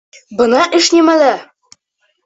Бына эш нимәлә!